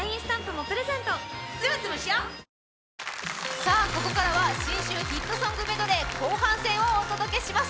さあここからは、新春ヒットソングメドレー後半戦をお届けします。